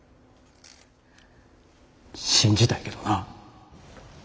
信じたいけどな。